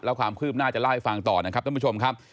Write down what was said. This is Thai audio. แล้วความคืบหน้าจะเล่าให้ฟังต่อนะครับท่านผู้ชมครับ